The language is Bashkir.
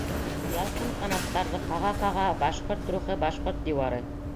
Ялҡын-ҡанаттарҙы ҡаға-ҡаға, Башҡорт рухы — башҡорт диуары!